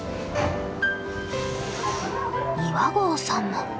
岩合さんも。